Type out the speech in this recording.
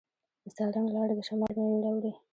د سالنګ لاره د شمال میوې راوړي.